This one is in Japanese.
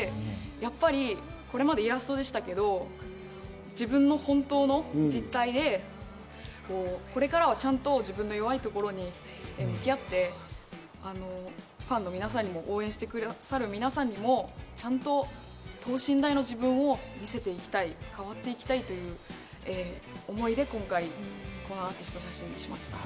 やっぱりこれまでイラストでしたけど、自分の本当の実態で、これからはちゃんと自分の弱いところに向き合って、ファンの皆さんにも応援してくださる皆さんにもちゃんと等身大の自分を見せていきたい、変わっていきたいという思いで今回、このアーティスト写真にしました。